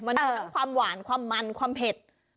มันมีทั้งความหวานความมันความเผ็ด